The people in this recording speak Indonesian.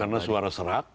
karena suara serak